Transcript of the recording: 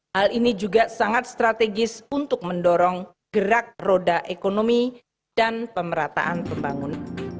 hal ini juga sangat strategis untuk mendorong gerak roda ekonomi dan pemerataan pembangunan